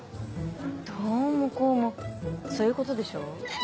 どうもこうもそういうことでしょ？え